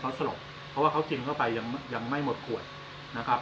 เขาสลบเพราะว่าเขากินเข้าไปยังไม่หมดขวดนะครับ